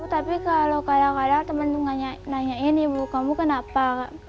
tapi kalau kadang kadang teman nanyain ibu kamu kenapa